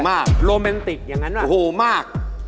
มากมาก